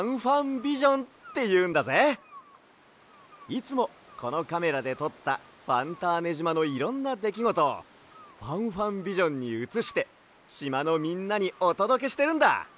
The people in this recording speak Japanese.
いつもこのカメラでとったファンターネじまのいろんなできごとをファンファンビジョンにうつしてしまのみんなにおとどけしてるんだ！